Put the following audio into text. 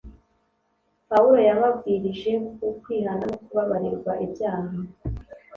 Pawulo yababwirije ku kwihana no kubabarirwa ibyaha